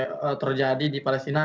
aksi bentrokan itu terjadi di palestina